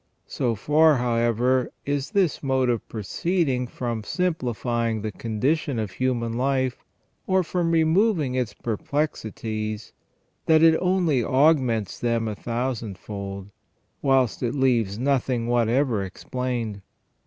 So far, however, is this mode of proceeding from simplifying the condition of human life, or from removing its perplexities, that it only augments them a thousandfold, whilst it leaves nothing what ever explained.